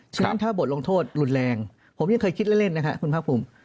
ฉะนั้นถ้าบทลงโทษรุนแรงผมยังเคยคิดเล่นนะครับคุณภาคภูมิ